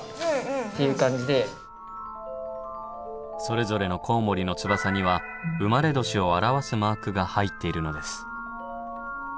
それぞれのコウモリの翼には生まれ年を表すマークが入っているのです。